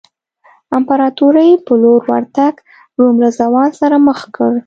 امپراتورۍ په لور ورتګ روم له زوال سره مخ کړ.